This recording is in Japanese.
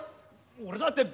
俺だって！